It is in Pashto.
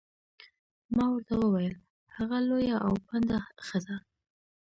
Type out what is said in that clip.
ما ورته وویل: هغه لویه او پنډه ښځه.